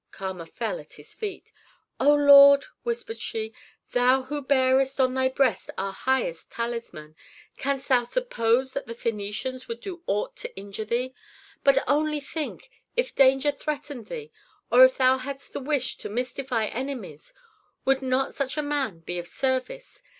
Kama fell at his feet. "O lord!" whispered she, "thou who bearest on thy breast our highest talisman, canst thou suppose that the Phœnicians would do aught to injure thee? But only think if danger threatened thee, or if thou hadst the wish to mystify enemies, would not such a man be of service?